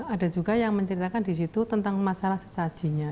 ada juga yang menceritakan disitu tentang masalah sesajinya